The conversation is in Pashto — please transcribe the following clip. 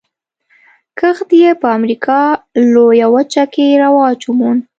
کښت یې په امریکا لویه وچه کې رواج وموند.